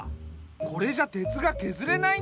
これじゃ鉄がけずれないね。